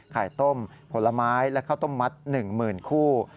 ไข่ต้มผลไม้และข้าวต้มมัด๑๐๐๐คู่